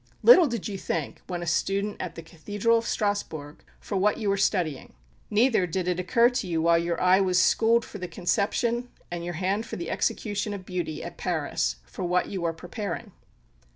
Little did you think when a student at the Cathedral of Strasbourg, for what you were studying. Neither did it occur to you while your eye was schooled for the conception, and your hand for the execution of beauty, at Paris, for what you were preparing.